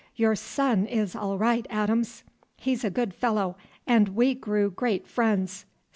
Your son is all right, Adams; he's a good fellow, and we grew great friends.